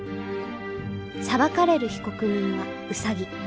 裁かれる被告人はウサギ。